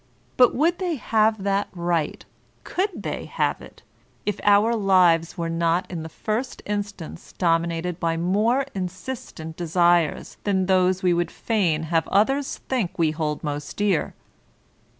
But would they have that right, could they have it, if our lives were not in the first instance dominated by more insistent desires than those we would fain have others think we hold most dear?